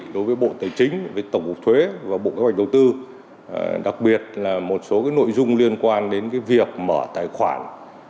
đối với bộ tài chính với tổng cục thuế và bộ kế hoạch đầu tư đặc biệt là một số nội dung liên quan đến việc mở tài khoản